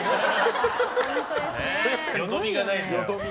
よどみがないんだよ。